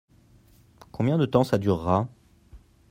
Combien de temps ça durera ?